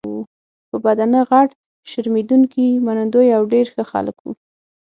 په بدنه غټ، شرمېدونکي، منندوی او ډېر ښه خلک وو.